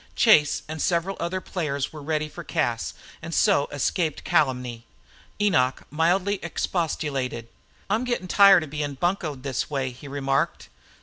Chase and several of the other players were ready for Cas, and so escaped calumny. Enoch mildly expostulated. "I'm gettin' tired of bein' buncoed this way," he remarked.